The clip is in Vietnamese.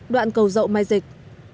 đoạn cầu dọc mai dịch